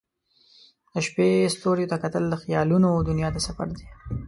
د شپې ستوریو ته کتل د خیالونو دنیا ته سفر دی.